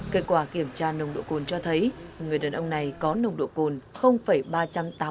kết quả kiểm tra nồng độ cồn cho thấy người đàn ông này có nồng độ cồn ba trăm tám mươi sáu mg trên một lít khí thở